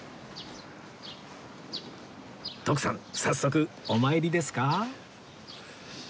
徳さん早速お参りですか？